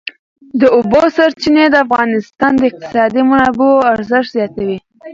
د اوبو سرچینې د افغانستان د اقتصادي منابعو ارزښت زیاتوي.